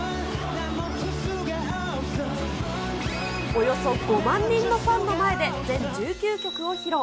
およそ５万人のファンの前で、全１９曲を披露。